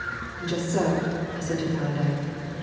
"Just so," assented Allerdyke.